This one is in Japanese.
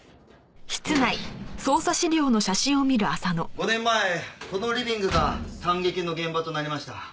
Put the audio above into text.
５年前このリビングが惨劇の現場となりました。